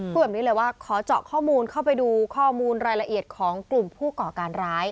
พูดแบบนี้เลยว่าขอเจาะข้อมูลเข้าไปดูข้อมูลรายละเอียดของกลุ่มผู้ก่อการร้าย